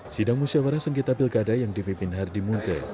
sidang musyawarah sengketa pilkada yang dipimpin hardy munte